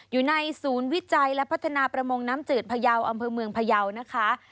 อยู่ในศูนย์วิจัยและพัฒนาประมงน้ำจืดพยาวอำเภอเมืองพยาวนะคะ